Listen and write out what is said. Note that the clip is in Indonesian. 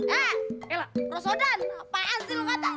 eh elah rosodan apaan sih lo kata